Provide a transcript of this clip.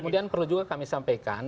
kemudian perlu juga kami sampaikan